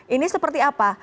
ini seperti apa